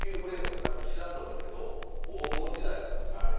たぶん知らんと思いますけど黄金時代あったんですよ。